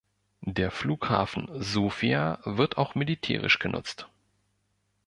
Der Flughafen Sofia wird auch militärisch genutzt.